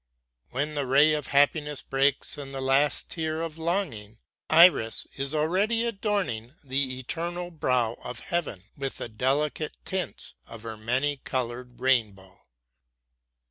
When the ray of happiness breaks in the last tear of longing, Iris is already adorning the eternal brow of heaven with the delicate tints of her many colored rainbow.